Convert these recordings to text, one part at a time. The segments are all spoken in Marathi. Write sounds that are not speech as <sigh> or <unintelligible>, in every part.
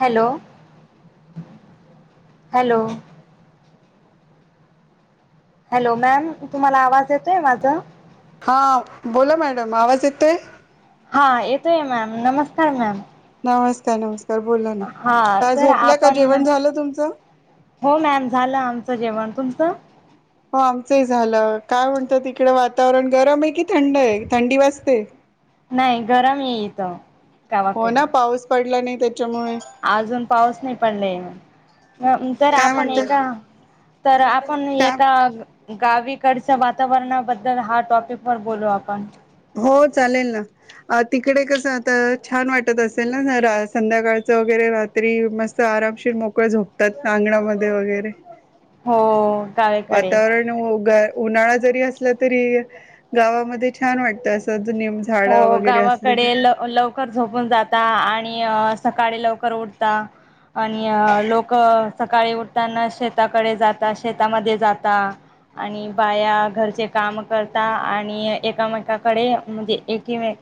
Hello!... hello! हॅलो! मॅम तुम्हाला आवाज येतोय माझं? हा.. बोला मॅडम आवाज येतोय? हा येतोय मॅम नमस्कार मॅम नमस्कार, नमस्कार बोला ना, हा काय तर झोपल्या का आपण जेवण झालं तुमचं? हो मॅम झालं आमचं जेवण, तुमचं? हो आमचंही झालं काय म्हणत तिकडं वातावरण गरम आहे की थंड आहे थंडी वाजते? नाही गरम ये इथ, हो गावाकड ना पाऊस पडला नाही त्याच्यामुळे अजून पाऊस नाही पडले अ जर काय आपण म्हणते एका, तर आपण का एका गावीकडच्या वातावरणाबद्दल हा टॉपिक वर बोलू आपण. हो चालेल ना. अ तिकडे कसं आता छान वाटत असेल ना ज संध्याकाळचं वगैरे राह त्री मस्त आरामशीर मोकळे झोपतात अगणामध्ये वगैरे हो.. गावीकडे वातावरण उन्हाळा जरी असला तरी गावामध्ये छान वाटत अस हो गावाकडेल लवकर झोपून जाता आणि सकाळी लवकर उठता आणि लोक सकाळी उठताना शेताकडे जातात शेतामध्ये जाता. आणि बाया घरचे काम करता आणि एकामेकाकडे म्हणजे एकी.. मे..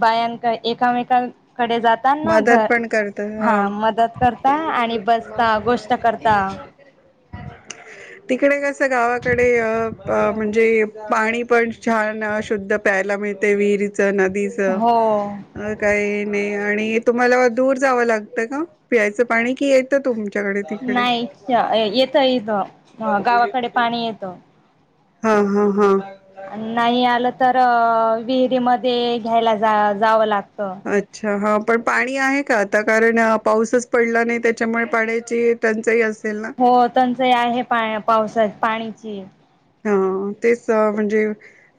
बायानक एकामेकांकडे जात त्याना मदत घर.. पण करत हा ह मदत करता आणि बसता गोष्ट करता <unintelligible> तिकडे कसं गावाकडेअ.. अ म्हणजे पाणी पण छान शुद्ध प्यायला मिळते विहिरीच, नदीच हो काही नाही आणि तुम्हाला दूर जावं लागतं का पियचं पाणी कि तुमच्याकडे ते नाहीच येत इद गावाकडे पाणी येतं. हा हा हा नाही आलं तर अ विहिरींमध्ये घ्यायला जा जावं लागतं अच्छा हा पण पाणी आहे का? आता कारण पाऊसच पडला नाही त्याच्यामुळे पाण्याची टंचाई असेल ना? हो टंचाई आहे पा, पावसात पाण्याची हा तेच म्हणजे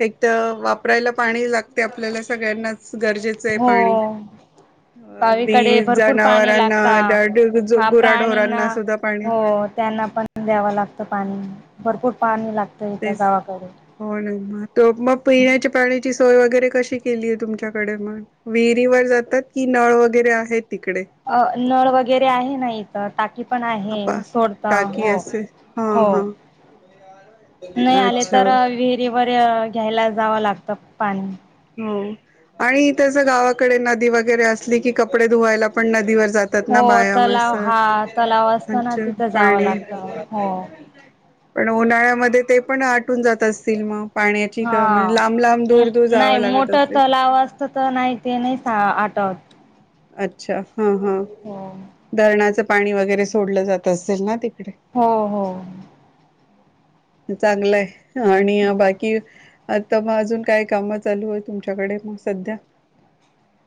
एक तर वापरायला पाणी लागते आपल्याला सगळ्यांनाच गरजेचं आहे हो पाणी अ, गावीकडे अगदी भरपूर पाणी जनावरांना लागता डाड- जो हा प्राणींना गुराढोरांना सुद्धा पाणी हो त्यांना पण द्यावं लागतं पाणी भरपूर पाणी लागतं इथं तेच गावाकडे हो ना त मग पिण्याच्या पाण्याची सोय वगैरे कशी केलीय तुमच्याकडे मग? विहिरी वर जातात की नळ वगैरे आहे तिकडे? अ. नळ वगैरे आहे ना इ टाकी पण आहे आपा सोडता टाकी हो, असे हा हो हा नाही आले अच्छा तर विहिरीवर घ्यायला जावं लागतं पाणी हो आणि त्याच गावाकडे नदी वगैरे असली की कपडे धुवायला पण नदीवर जात तात ना हो बाया तलाव माणसं, हा तलाव हंच असताना तिथं जावं पाणी लागतं हो पण उन्हाळ्यामध्ये ते पण आटून जात असतील मग पाण्याची म्हण हा लांब लांब दूर दूर नाही जावं लागत मोठं असेल तलाव असत तर नाही ते नाही आटत अच्छा हा हा हो धरणाचं पाणी वगैरे सोडलं जात असेल ना तिकडे? हो हो चांगलंय आणि बाकी? आता मग अजून काय कामं चालूय तुमच्याकडे मग सध्या?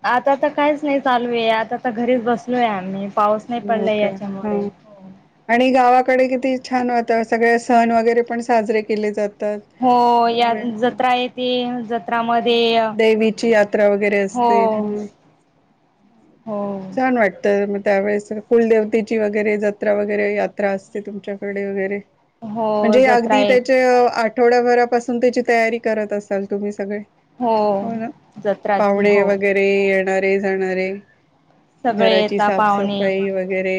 आता तर काहीच नाही चालूय आता तर घरीच बसलोय आम्ही पाऊस नाही हो पडलाय का याच्यामुळे ह आणि गावाकडे किती छान वातावरण सगळे सण वगैरे पण साजरे केले जात होय या जत्रा येती या जत्रामध्ये देवीची यात्रा वगैरे हो असते. मग हो छान वाटतं तर मग त्यावेळेस कुलदेवतेची वगैरे जत्रा वगैरे यात्रा असते तुमच्याकडे वगैरे हो म्हणजे जत्रा अगदी येत त्याच्या आठवड्याभरापासून त्याची तयारी करत असाल तुम्ही सगळे? हो जत्राची हो ते येणारे जाणारे सगळे घराची येता पाहुणे साफसफाई वगै रे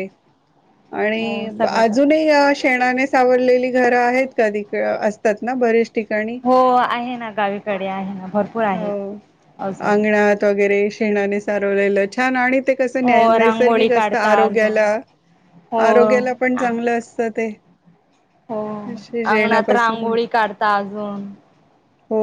हो आणि सगळे करतात अजूनही अशी शेणाने सावरलेली घरं आहेत का तिकड असतात ना बरीेच ठिकाणी हो आहे ना गावीकडे आहे ना भर हो, अंगणात वगैरे शेणाने सारवलेलं छान आणि ते कसं न हो रांगोळी नैसर्गिक असतं. काढता अजून आरोग्याला हो आरोग्याला पण चांगलं असतं ते हो अंगणात येण्यापासून रांगोळी काढता अजून हो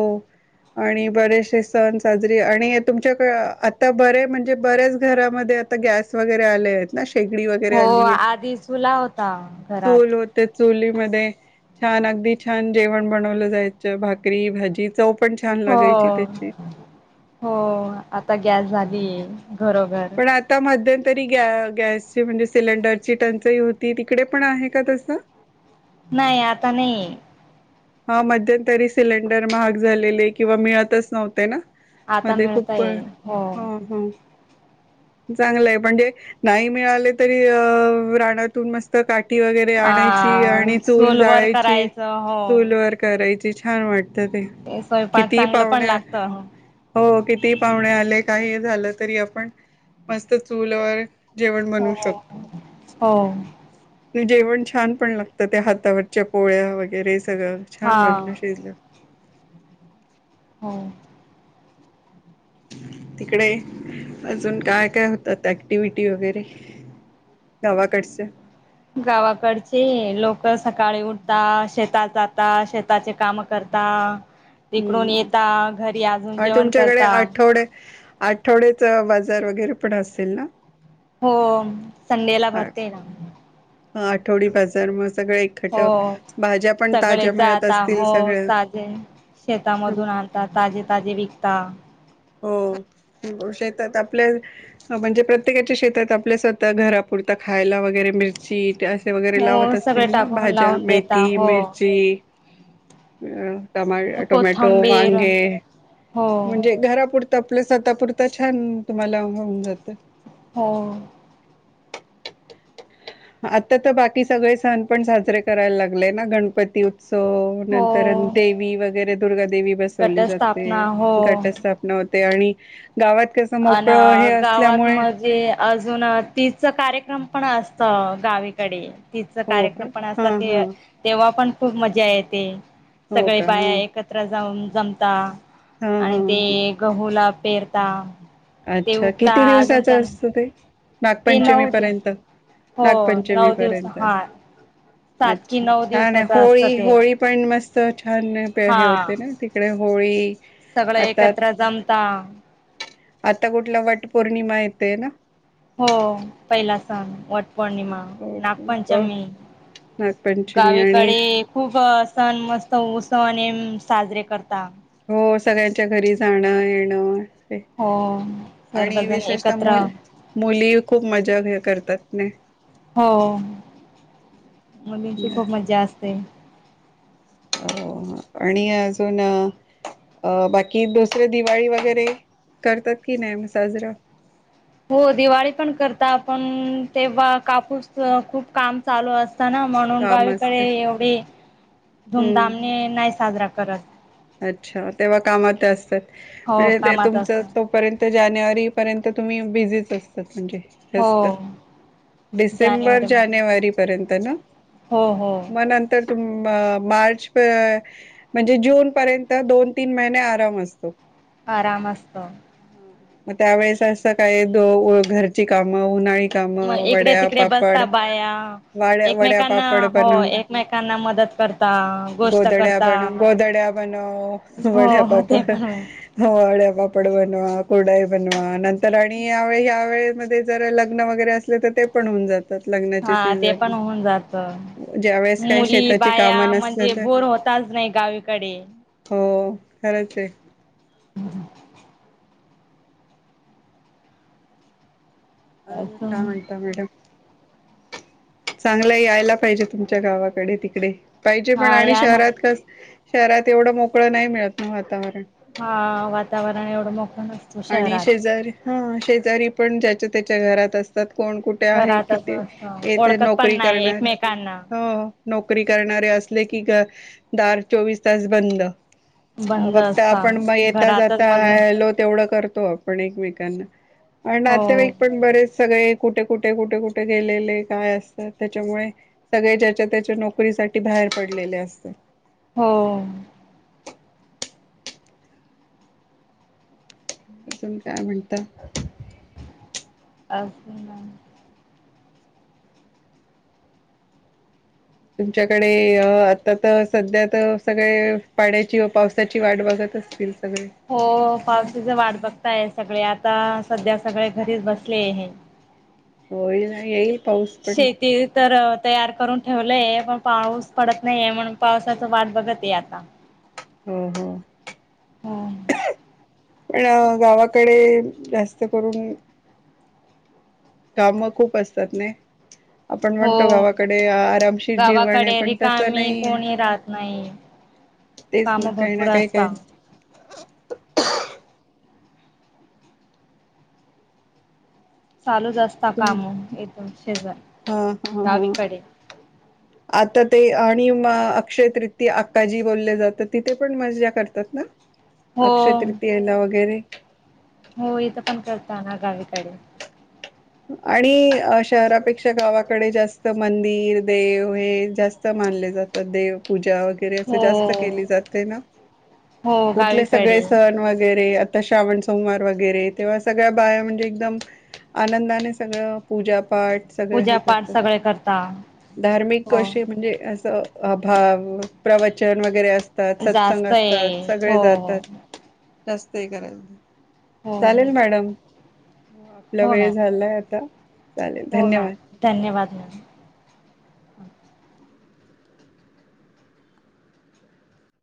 आणि बरेचसे सण साजरी आणि तुमच्याक आता बरे म्हणजे बऱ्याच घरामध्ये आता गॅस वगैरे आलेत ना शेगडी वगैरे हो आलीये आधी चुला होता घरात चूल ते चुलीमध्ये छान अगदी छान जेवण बनवलं जायच भाकरी भाजी चव पण छान हो लागायची त्याची हो आता गॅस झाली घरोघर पण आता मध्यंतरी गॅ गॅसची म्हणजे सिलेंडरची टंचाई होती तिकडे पण आहे का तसं? नाही आता नाहीये हा मध्यंतरी सिलेंडर महाग झालेले. किंवा मिळतच नव्हते ना! आता मधे खूप अ मिळतय हो हं हं चांगलंय म्हणजे नाही मिळाले तरी अ राणातून मस्त काठी वगैरे आणायची आ आणि चूल सोलवर जाळायची करायचं हो चूल वर करायची छान वाटतं ते स्वयंपाक किती चांगलं पण पाहुणे लागत हो कितीही पाहुणे आले काही झालं तरी आपण..... मस्त चूलवर जेवण हो बनवू शकतो... हो जेवण छान पण लागत त्या हातावरच्या पोळ्या वगैरे सगळं छान बनलं हा शिजलं....... हो..... तिकडे अजून काय काय होतात ऍक्टिव्हटी वगैरे..... गावाकडचे... गावाकडचे लवकर सकाळी उठतात शेतात जातात शेताचे काम....... करता तिकडून हम्म येता घरी अजून जेवण करता..... थोडे.... आठवड्याच बाजार वगैरे पण असेल ना...... हो संडे ला भरतेय..... हा आठवडी बाजार मग सगळं एकट हो बाकी..... सगळे जाता हो ताजे..... शेतामधून आणताात ताजे ताजे विकता..... हो शेतात आपल्या..... म्हणजे प्रत्येकाच्या शेतात आपल्या स्वतः घरापुरता खायला वगैरे मिळत.... बीट असे वगैरे हो लावत सगळे असतील ना टाकून भाज्या लावून देता मेथी हो मिरची टोमॅटो कोथंबीर वांगे.... हो म्हणजे घरापुरत आपलं स्वतःपुरत छान तुम्हाला होऊन जात... हो.... आता तर बाकी सगळे सण पण साजरे करायला लागलेय ना गणपती उत्सव.. नंतर हो देवी वगैरे दुर्गा देेवी बसवली जाते.... घटस्थापना हो स्थापना होते आणि गावात कस.... अन गावात म्हणजे... अजून तिच कार्यक्रम पण असत गावीकडे.... ति हो का कार्यक्रम पण असत हा हा ते तेव्हा पण खूप मजा येते हो सगळे का बाया हा एकत्र...... कत्र जा जमता हा हा आणि ते हा. गहूला पेरता.... ते अच्छा उगता किती अजून दिवसाच त्यां असतो ते ते नागपंचमी नऊ दि पर्यंत...... हो नागपंचमी नऊ दिवस पर्यंत हा असते सात कि अच्छा नऊ छान आणि दिवसाच असतं होळी ते होळी.... पण मस्त छान प हे हा होते ना तिकडे होळी... सगळं आता एकत्र जमता..... आता कुठला वट पौर्णिमा येतेय ना..... हो पहिला सण वट...... वट हो पौर्णिमा हो, नागपंचमी नागपंचमी आणि गावीकडे.... खूप सण मस्त उत्सव साजरे करता.... हो सगळ्यांच्या घरी जाणं येणं ते.... हो सर्वजण एकत्र.... मुल मुली खूप मजा घ करतात नाही... हो मुलींची खूप मज्जा असते.. आणि अजून अ बाकी दुसरे दिवाळी वगैरे... करतात की नाही साजरा... हो दिवाळी पण करत आपण तेव्हा कापूस खूप काम चालू असत... ना म्हणून काम गावीकडे असते एवढी हम्म धूमधामने नाही साजरा करत... अच्छा तेव्हा कामात असतात हो म्हणजे ते कामात असत तुमचं.... तोपर्यंत जानेवारी पर्यंत तुम्ही बिझीच असतात म्हणजे... जास्त हो.... डिसेंबर जानेवारी महिना जानेवारी पर्यंत ना... हो हो..... मग नंतर तुम मार्च.... म्हणजे जून पर्यंत दोन तीन महिने आराम असतो....... आरांम असतों मंग त्यांवेेळेस असं कायं द घरची कामं उन्हांळी कामं ईकडे वड्या तिकडे पापड बसतां बांया वाड्या वड्या एकमेकांना पापड हो बनव एकमेकांना मंदत करतां गोंष्ट गोदड्या बनव करतां गोदड्या बनव वड्यापापड हवाळ्यां पापड बनवां कुरडाई बनवां नंतर आणि यावें ह्यां वेळेमध्यें जरं लग्नं वगैरें असले तरं ते पणं होऊंन जाते हां ते पणं होऊंन जातं ज्यावेेळेस काही मुली शेताची बांया कामं नसलं म्हणजे तर बोर होतं होतांत नाहीं गांवीकडे हो खरंच आहे हम्मं अजूंन असं कायं म्हणंता मॅडम चांगला यांयला पाहिजे तुमच्यां गावांकडे तिकडे पाहिजे पणं हा आणि या ना शहरांत कसं शहरांत एवढं मोकळं नाहीं मिळतं नां वातांवरण हां वातांवरण एवढं मोकळं नाहीं आणि शेजारी हां शेजारी पणं ज्यांच्या त्यांच्या घरांत असतांत कोणं कुठं ते आहे कि घरातच असत तेथे ओळखत पण नोकरी नाही करणारं एकमेकांना हो नोकरी करणांरे असले की गं दांर चोवीस तांस बंद बंद फक्तं असता आपणं मंग येतां घरातच जातां मग हॅलो तेवढंच तो आपणं एकमेकांना आणि हो नातेवाईक पणं बरेचं सगळें कुठे कुठे कुठे कुठे गेलेले कायं असतांत त्यांच्यामुळे सगळे ज्यांच्या त्यांच्या नोकरीसांठी बाहेर पडलेले असतांत हो अजूंन कायं म्हणंतात असं मॅ तुमच्यांकडे आतां तरं संध्या तरं सगळें पाण्यांची व पावसांची वांट बघतं असतील तीनं तगडे हो पावसांची वांट बघतांय सगळें आतां संध्या सगळें घरीचं बसले आहेत <unintelligible> होई येईल पाऊस पणं तरं तयार करूंन ठेवलंय पणं पाऊस पडतं नाहीये म्हणूंन पावसांची वांट बघतं आहे आतां हम्मं हम्मं हां पणं गावांकडे जास्तं करूंन कामं खूंप असतांत नाहीं ह <unintelligible> हो आरामशीर जीवन आहे गावांकडे पण तसं रीकांमी नाहीये. कोणी राहतं नाहीं तेच ना कामं काही ना भरंपूर काही काय असतां चालूंच असतां तुम कामं येथूंन शेजार हा गावीकडे आतां ते आणि मं अक्षय तृती अखांजी बोलले जाते तिथे पणं मज्जां करतांत नां ह <unintelligible> अक्षय तृतीयेला वगैरें हो इथं पणं करतां नां गावीकडे आणि शहरांपेक्षा गावांकडे जास्तं मंदिरं देव हे जास्तं मानले जातात देव पूजां वैगेरें असं हो जास्तं केली जाते नां हो कुठले सगळें गावीकडे संण वगैरें तरं श्रावण सोमवार वगैरें तेंव्हा सगळ्यां बांया म्हणजे एकदंम आनंदाने सगळं पूजांपाठ सगळं पूजा हे पाठ करतांत सगळे करता धार्मिक हो कसं म्हणजे असं अ भांव प्रवचंन वगैरें असतांत सत्संग जास्त आहे असतांत हो सगळें जातात हो जास्तं करायंल हो चालेल मॅडम आपला हो वेळ मॅम झालाय आता. चालेल हो मॅम धन्यवाद. धन्यवाद मॅम.